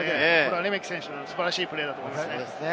レメキ選手のプレー、素晴らしいプレーだと思います。